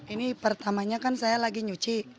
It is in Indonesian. ini pertamanya kan saya lagi nyuci